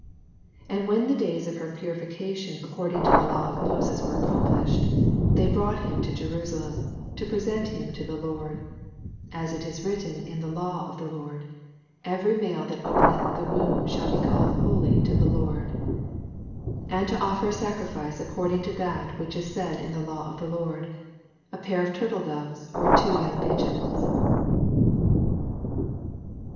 22 And when the days of her puri fication according to the law of Moses were accomplished, they brought him to Jerusalem, to present him to the Lord; 28 (As it is written in the law a» the Lord, Every male that openeth the womb shall be called holy to the Lord :) 24 And to offer a sacrifice according to that which is said in the law of the Lord, A pair of tmtledoves or two young pigeons.